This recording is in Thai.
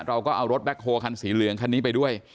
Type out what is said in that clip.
เราก็เอารถแบ็คโฮคันสีเหลืองคันนี้ไปด้วย